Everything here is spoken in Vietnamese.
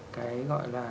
cái gọi là